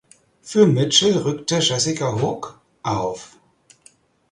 Für Mitchell rückte Jessica Hogg auf.